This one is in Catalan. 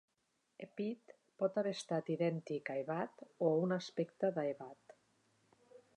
Hepit pot haver estat idèntic a Hebat o un aspecte de Hebat.